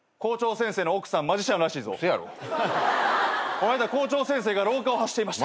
こないだ校長先生が廊下を走っていました。